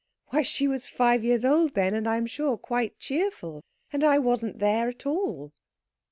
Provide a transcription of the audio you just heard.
"Why, she was five years old then, and I am sure quite cheerful. And I wasn't there at all."